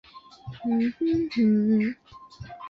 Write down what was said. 节目筹集的资金全部捐献给了。